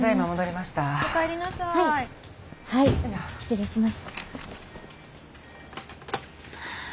はい失礼します。